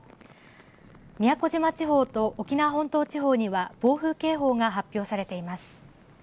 宮古島地方と沖縄本島地方には暴風警報が発表されています。